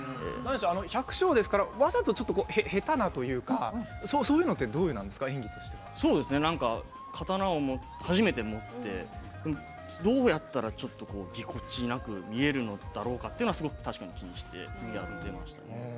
百姓ですからわざと下手なというか刀を初めて持ってどうやったらちょっとぎこちなく見えるのだろうかというのは確かに気にしてやっていましたね。